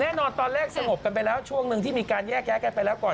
แน่นอนตอนแรกสงบกันไปแล้วช่วงหนึ่งที่มีการแยกย้ายกันไปแล้วก่อน